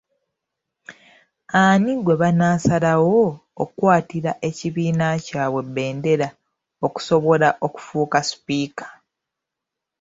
Ani gwe banaasalawo okukwatira ekibiina kyabwe bbendera okusobola okufuuka Sipiika.